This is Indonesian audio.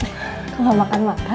akhirnya makan juga kita